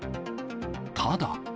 ただ。